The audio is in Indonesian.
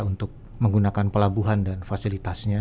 untuk menggunakan pelabuhan dan fasilitasnya